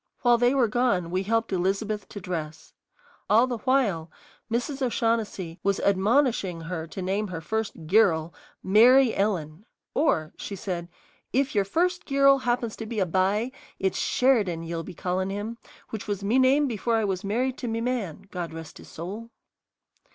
While they were gone we helped Elizabeth to dress. All the while Mrs. O'Shaughnessy was admonishing her to name her first "girul" Mary Ellen; "or," she said, "if yer first girul happens to be a b'y, it's Sheridan ye'll be callin' him, which was me name before I was married to me man, God rest his soul."